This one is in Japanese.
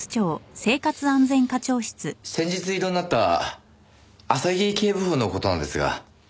先日異動になった浅木警部補の事なんですが。